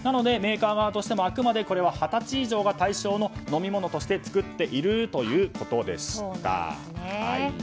メーカー側もあくまでこれは二十歳以上が対象の飲み物として作っているということでした。